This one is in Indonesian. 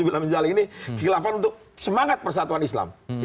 kekilapan untuk semangat persatuan islam